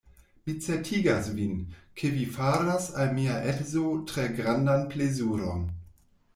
Mi certigas vin, ke vi faras al mia edzo tre grandan plezuron.